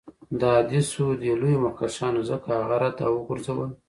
د احادیثو دې لویو مخکښانو ځکه هغه رد او وغورځول.